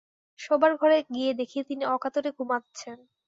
শোবার ঘরে গিয়ে দেখি তিনি অকাতরে ঘুমোচ্ছেন।